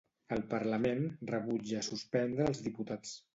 El parlament rebutja suspendre els diputats.